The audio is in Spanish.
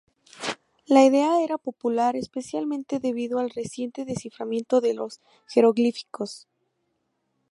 La idea era popular especialmente debido al reciente desciframiento de los jeroglíficos.